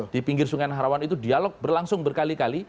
di pinggir sungai nahrawan itu dialog berlangsung berkali kali